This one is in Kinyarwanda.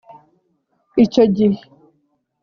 Icyo gihe